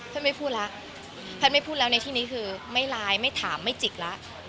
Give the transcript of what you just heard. ไม่พูดแล้วแพทย์ไม่พูดแล้วในที่นี้คือไม่ไลน์ไม่ถามไม่จิกแล้ว